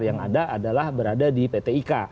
yang ada adalah berada di pt ika